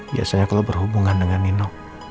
biasanya kalau berhubungan dengan nino